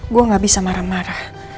gue gak bisa marah marah